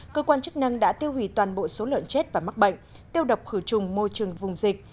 cơ quan chức năng đã tiêu hủy toàn bộ số lợn chết và mắc bệnh tiêu độc khử trùng môi trường vùng dịch